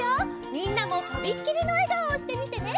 みんなもとびっきりのえがおをしてみてね！